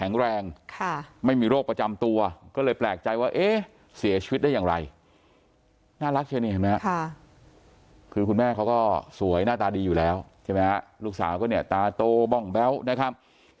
คือคุณแม่เขาก็สวยหน้าตาดีอยู่แล้วใช่ไหมฮะลูกสาวก็เนี่ยตาโตบ้องแบ๊วนะครับ